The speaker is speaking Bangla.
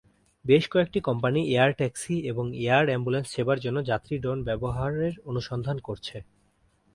বেশ কয়েকটি কোম্পানি এয়ার ট্যাক্সি এবং এয়ার অ্যাম্বুলেন্স সেবার জন্য যাত্রী ড্রোন ব্যবহারের অনুসন্ধান করছে।